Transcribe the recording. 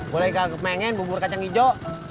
boleh ikat kemengin bubur kacang hijau